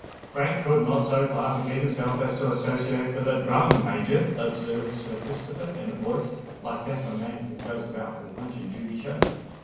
"Frank could not so far forget himself as to associate with a drum major," observed Sir Christopher, in a voice like that of a man who goes about with a Punch and Judy show.